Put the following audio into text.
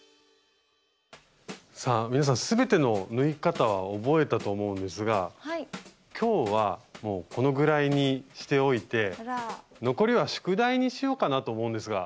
さあ皆さん全ての縫い方は覚えたと思うんですが今日はもうこのぐらいにしておいて残りは宿題にしようかなと思うんですが。